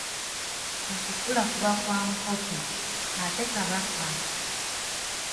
Okukula kuba kwa mukopi, ate Kabaka?